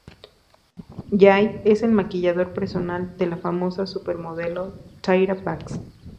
Jay es el maquillador personal de la famosa supermodelo Tyra Banks.